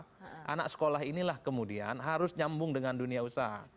karena sekolah inilah kemudian harus nyambung dengan dunia usaha